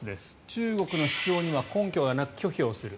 中国の主張には根拠がなく拒否をする。